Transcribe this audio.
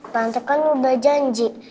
tante kan udah janji